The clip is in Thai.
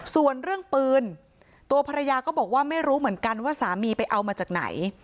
ส่วนเรื่องปืนตัวภรรยาก็บอกว่าไม่รู้เหมือนกันว่าสามีไปเอามาจากไหน